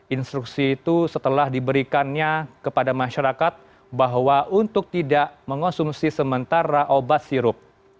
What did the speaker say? instruksi itu setelah diberikannya kepada masyarakat bahwa untuk tidak mengonsumsi sementara obat sirup